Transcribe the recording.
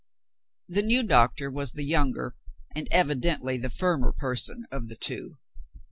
The new doctor was the younger, and evidently the firmer person of the two.